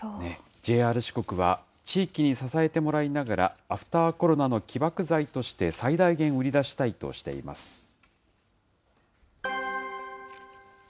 ＪＲ四国は、地域に支えてもらいながら、アフターコロナの起爆剤として最大限売り出したいとしています。